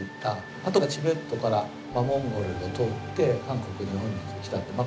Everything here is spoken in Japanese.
あとはチベットからモンゴルを通って韓国日本に来たまあ